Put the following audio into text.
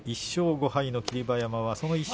１勝５敗の霧馬山。